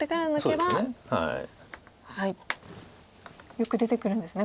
よく出てくるんですね